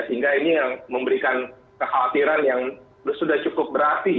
sehingga ini yang memberikan kekhawatiran yang sudah cukup berarti